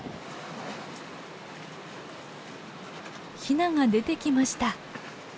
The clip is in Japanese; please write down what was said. ヒナが出てきました。